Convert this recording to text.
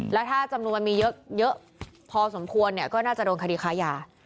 แล้วถ้าจำนวนมีเยอะพอสมควรก็น่าจะโดนคดีคาญา